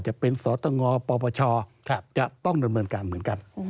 จะเป็นสตงปปชจะต้องดำเนินการเหมือนกัน